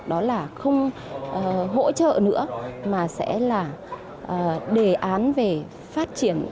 đó là không hỗ trợ nữa mà sẽ là đề án về phát triển